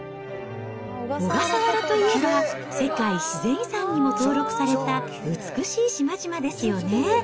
小笠原といえば、世界自然遺産にも登録された美しい島々ですよね。